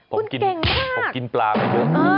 ผมกินปลามาเยอะ